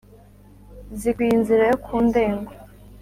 zikwiye inzira yo ku ndego